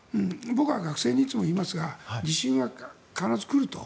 僕は学生にいつも言いますが地震は必ず来ると。